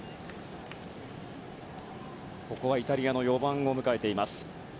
イタリアの４番を迎えています。